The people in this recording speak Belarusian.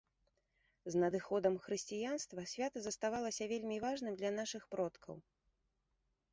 З надыходам хрысціянства свята заставалася вельмі важным для нашых продкаў.